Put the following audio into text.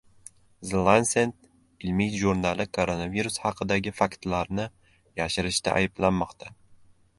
The Lancet ilmiy jurnali koronavirus haqidagi faktlarni yashirishda ayblanmoqda